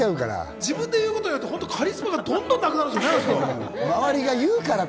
自分で言うことでカリスマ度がどんどんなくなるからね。